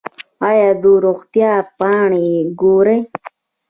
ایا د روغتیا پاڼې ګورئ؟